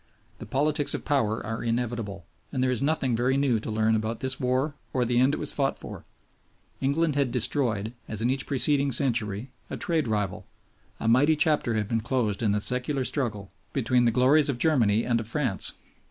The politics of power are inevitable, and there is nothing very new to learn about this war or the end it was fought for; England had destroyed, as in each preceding century, a trade rival; a mighty chapter had been closed in the secular struggle between the glories of Germany and of France.